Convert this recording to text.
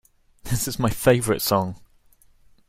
This is my favorite song!